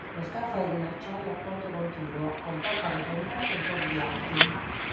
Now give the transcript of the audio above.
Lo scafo era in acciaio a ponte continuo, con poppa arrotondata e bordi alti.